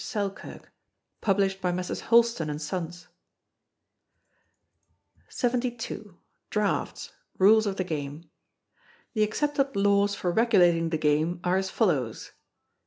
Selkirk, published by Messrs. Houlston and Sons. 72. Draughts, Rules of the Game. The accepted laws for regulating the game are as follows: i.